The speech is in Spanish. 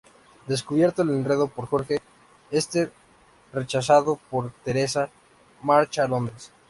Descubierto el enredo por Jorge, este, rechazado por Teresa, marcha a Londres.